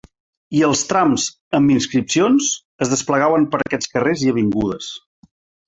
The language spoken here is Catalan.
I els trams amb inscripcions es desplegaven per aquests carrers i avingudes.